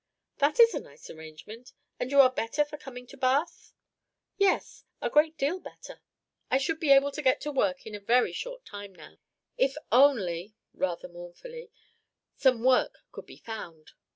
"That is a nice arrangement; and you are better for coming to Bath?" "Yes, a great deal better. I should be able to get to work in a very short time now, if only" (rather mournfully), "some work could be found."